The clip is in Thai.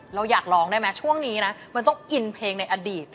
เราอยากร้องได้ไหมช่วงนี้นะมันต้องอินเพลงในอดีต